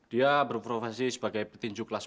dia berprofesi sebagai petinju kelas